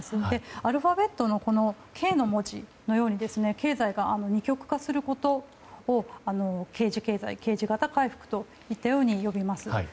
アルファベットの「Ｋ」の文字のように経済が二極化することをＫ字経済、Ｋ字形回復と呼びます。